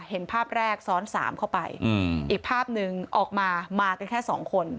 เห็นภาพแรกซ้อน๓เข้าไปอีกภาพหนึ่งออกมามากันแค่สองคน